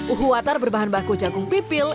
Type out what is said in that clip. uhu watar berbahan baku jagung pipil